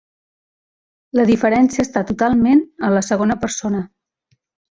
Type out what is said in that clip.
La diferència està totalment en la segona persona.